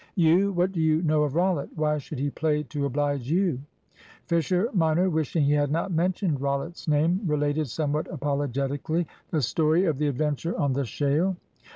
"You! What do you know of Rollitt? Why should he play to oblige you?" Fisher minor, wishing he had not mentioned Rollitt's name, related, somewhat apologetically, the story of the adventure on the Shayle.